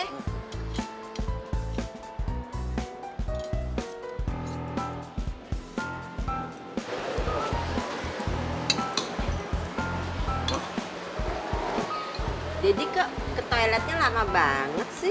deddy kok ke toiletnya lama banget sih